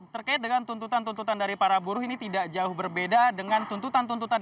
terkait dengan tuntutan tuntutan dari para buruh ini tidak jauh berbeda dengan tuntutan tuntutan